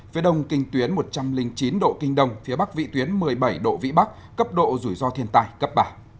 phía đông kinh tuyến một trăm linh chín độ kinh đông phía bắc vị tuyến một mươi bảy độ vĩ bắc cấp độ rủi ro thiên tài cấp ba